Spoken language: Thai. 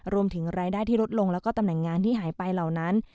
รวมถึงรายได้ที่ลดลงแล้วก็ตำแหน่งงานที่หายไปเหล่านั้น